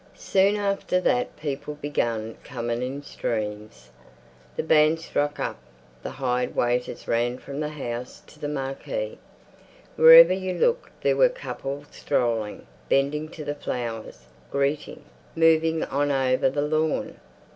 Soon after that people began coming in streams. The band struck up; the hired waiters ran from the house to the marquee. Wherever you looked there were couples strolling, bending to the flowers, greeting, moving on over the lawn.